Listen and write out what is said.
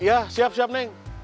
iya siap siap neng